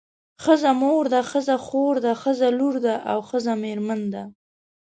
ښځه مور ده ښځه خور ده ښځه لور ده او ښځه میرمن ده.